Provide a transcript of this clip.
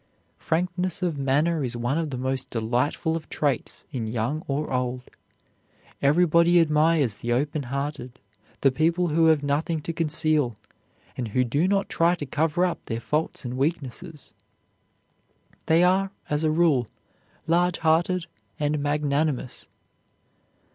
Frankness of manner is one of the most delightful of traits in young or old. Everybody admires the open hearted, the people who have nothing to conceal, and who do not try to cover up their faults and weaknesses. They are, as a rule, large hearted and magnanimous.